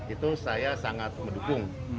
itu saya sangat mendukung